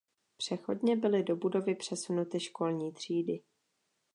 Přechodně byly do budovy přesunuty školní třídy.